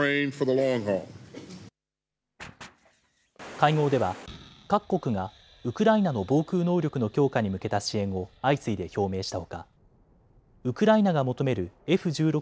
会合では各国がウクライナの防空能力の強化に向けた支援を相次いで表明したほかウクライナが求めるＦ１６